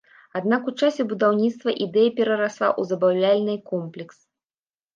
Аднак у часе будаўніцтва ідэя перарасла ў забаўляльны комплекс.